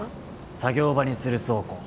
作業場にする倉庫。